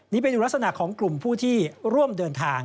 นี่เป็นลักษณะของกลุ่มผู้ที่ร่วมเดินทาง